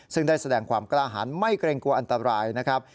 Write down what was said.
ซึ่งได้แสดงความกล้าหันไม่เกรงกลัวอันตรายนะครับ